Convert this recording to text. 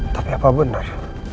tapi apa benar